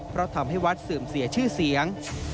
เพราะทำให้วัดเสื่อมเสียชื่อเสียง